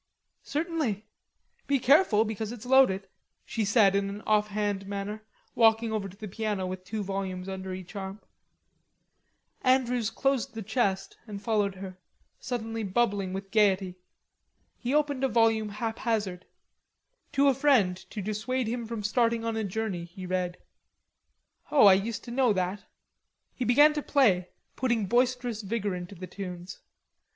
"Certainly. Be careful, because it's loaded," she said in an offhand manner, walking over to the piano with two volumes under each arm. Andrews closed the chest and followed her, suddenly bubbling with gaiety. He opened a volume haphazard. "To a friend to dissuade him from starting on a journey," he read. "Oh, I used to know that." He began to play, putting boisterous vigor into the tunes.